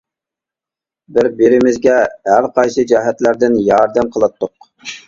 بىر-بىرىمىزگە ھەر قايسى جەھەتلەردىن ياردەم قىلاتتۇق.